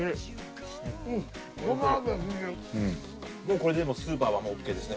これでスーパーはＯＫですね